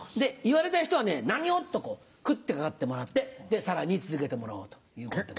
言われた人はね「何を！」と食ってかかってもらってさらに続けてもらおうと。